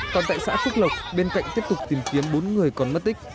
còn tại xã phước lộc bên cạnh tiếp tục tìm kiếm bốn người còn mất tích